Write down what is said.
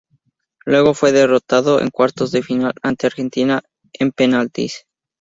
Luego fue derrotado en cuartos de final ante Argentina en penaltis.